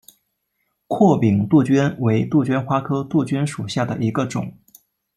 阔柄杜鹃为杜鹃花科杜鹃属下的一个种。